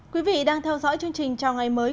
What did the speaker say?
quý vị đang theo dõi chương trình chào ngày mới